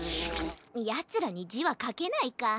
ヤツらにじはかけないか。